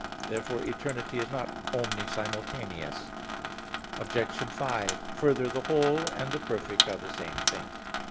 Therefore eternity is not omni simultaneous. Obj. 5: Further, the whole and the perfect are the same thing.